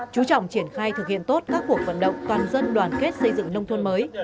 chú trọng triển khai thực hiện tốt các cuộc vận động toàn dân đoàn kết xây dựng nông thôn mới